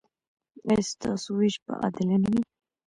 ایا ستاسو ویش به عادلانه وي؟